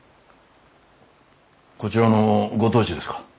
こちらのご当主ですか？